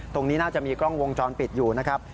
ตรงนี้น่าจะมีกล้องวงจรปิดอยู่นะครับ